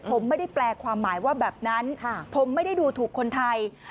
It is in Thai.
ผมไม่ได้แปลความหมายว่าแบบนั้นผมไม่ได้ดูถูกคนไทย